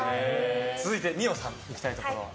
続いて、二葉さん行きたいところは？